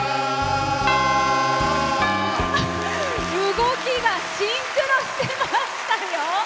動きがシンクロしてましたよ。